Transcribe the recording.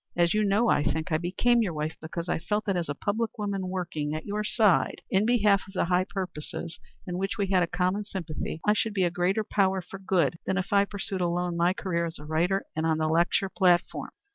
As you know, I think, I became your wife because I felt that as a public woman working, at your side in behalf of the high purposes in which we had a common sympathy, I should be a greater power for good than if I pursued alone my career as a writer and on the lecture platform.